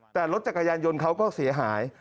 แต่รถจักรยานยนต์เขาก็เสียหาย